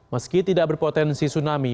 meski tidak berpotensi tsunami